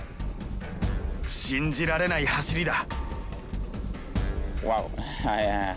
信じられない走りだ。